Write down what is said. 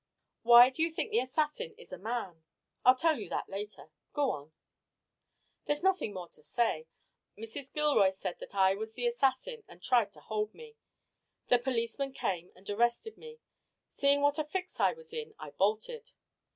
"Why do you think the assassin is a man?" "I'll tell you that later. Go on." "There's nothing more to say. Mrs. Gilroy said that I was the assassin and tried to hold me. The policeman came and arrested me. Seeing what a fix I was in I bolted."